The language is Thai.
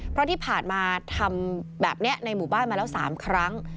เพราะที่ผ่านมาทำแบบนี้ในหมู่บ้านมาแล้ว๓ครั้ง